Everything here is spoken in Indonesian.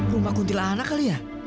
rumah kuntilanak kali ya